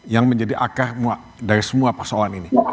yang menjadi akar dari semua persoalan ini